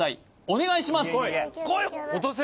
お願いします